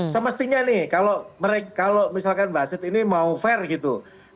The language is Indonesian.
semestinya nih kalau misalkan basit ini mau fair gitu